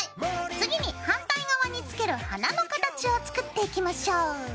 次に反対側に付ける花の形を作っていきましょう。